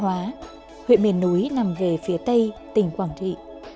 đài phản thân truyền hình quảng trì